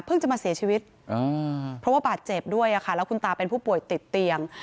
จะมาเสียชีวิตเพราะว่าบาดเจ็บด้วยค่ะแล้วคุณตาเป็นผู้ป่วยติดเตียง